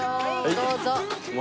どうぞ。